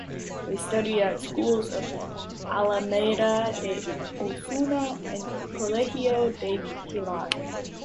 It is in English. They studied at the schools of Alameda de Osuna and Colegio del Pilar.